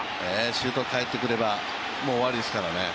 周東が帰ってくればもう終わりですからね。